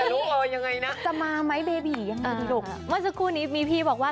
ลูกเออยังไงนะจะมาไหมเบบียังไงลูกเมื่อสักครู่นี้มีพี่บอกว่า